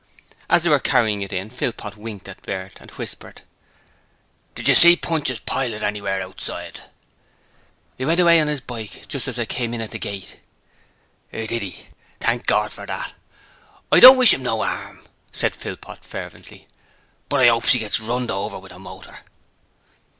As they were carrying it in Philpot winked at Bert and whispered: 'Did yer see Pontius Pilate anywheres outside?' ''E went away on 'is bike just as I come in at the gate.' 'Did 'e? Thank Gord for that! I don't wish 'im no 'arm,' said Philpot, fervently, 'but I 'opes 'e gets runned over with a motor.'